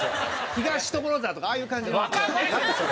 東所沢とかああいう感じの。